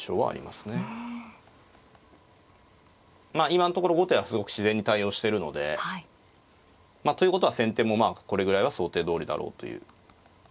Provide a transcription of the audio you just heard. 今のところ後手はすごく自然に対応してるのでということは先手もこれぐらいは想定どおりだろうという。